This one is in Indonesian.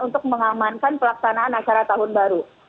untuk mengamankan pelaksanaan acara tahun baru